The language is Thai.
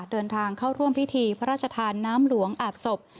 เดินทางเข้าร่วมพิธีพระราชทานน้ำหลวงอาบศพ